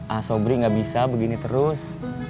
asobri gak bisa begini terus